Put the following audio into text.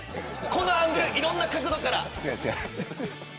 このアングルいろんな角度から。